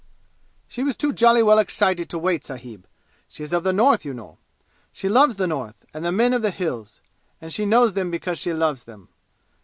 "She was too jolly well excited to wait, sahib! She is of the North, you know. She loves the North, and the men of the 'Hills'; and she knows them because she loves them.